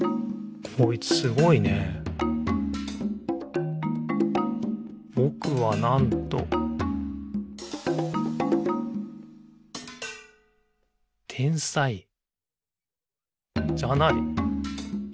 こいつすごいね「ぼくは、なんと」天才じゃない。え？